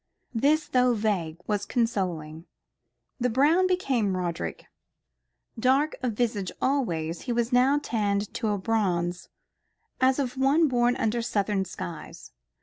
This, though vague, was consoling. The brown became Roderick. Dark of visage always, he was now tanned to a bronze as of one born under southern skies.